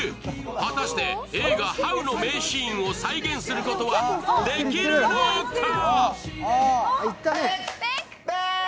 果たして映画「ハウ」の名シーンを再現することはできるのか？！